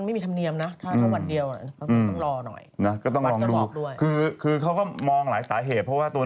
ไม่เขายังไม่เผาเขาจะเก็บศพไว้ก่อน